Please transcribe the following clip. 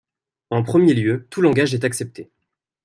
En premier lieu, tout langage est accepté.